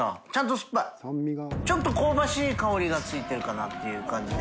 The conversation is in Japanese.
覆燭筺ちょっと香ばしい香りがついてるかなっていう感じで。